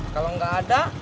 kalau nggak ada